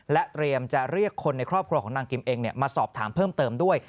เตรียมจะเรียกคนในครอบครัวของนางกิมเองมาสอบถามเพิ่มเติมด้วย